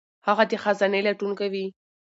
هغه د خزانې لټون کوي.